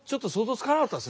つかなかったです。